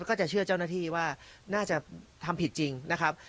ก็จะเชื่อเจ้าหน้าที่ว่าน่าจะทำผิดจริงนะครับ